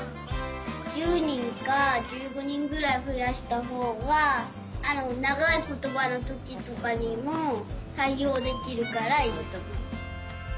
１０にんか１５にんぐらいふやしたほうがながいことばのときとかにもたいおうできるからいいとおもう。